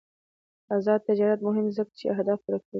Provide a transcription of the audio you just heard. آزاد تجارت مهم دی ځکه چې اهداف پوره کوي.